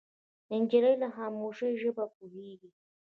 نجلۍ له خاموشۍ ژبه پوهېږي.